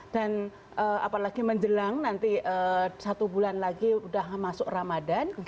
dan apalagi menjelang nanti satu bulan lagi udah masuk ramadan